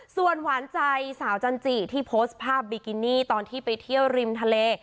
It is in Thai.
ส่วนหวานใจสาวจันจิที่โพสต์ภาพบิกินี่ตอนที่ไปเที่ยวริมทะเล